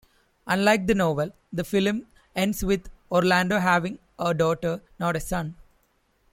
Unlike the novel, the film ends with Orlando having a daughter, not a son.